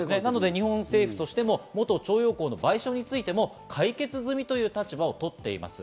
日本政府としても元徴用工の賠償についても解決済みという立場を取っています。